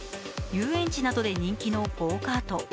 遊園地などで人気のゴーカート。